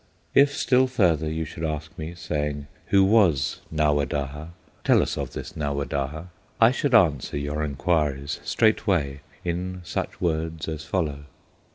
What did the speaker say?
If still further you should ask me, Saying, "Who was Nawadaha? Tell us of this Nawadaha," I should answer your inquiries Straightway in such words as follow.